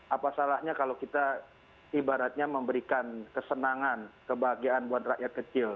apa salahnya kalau kita ibaratnya memberikan kesenangan kebahagiaan buat rakyat kecil